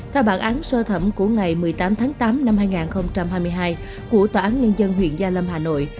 theo bản án sơ thẩm của ngày một mươi tám tháng tám năm hai nghìn hai mươi hai của tòa án nhân dân huyện gia lâm hà nội